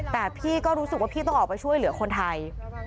แต่พี่ก็รู้สึกว่าพี่ต้องออกไปช่วยเหลือคนไทย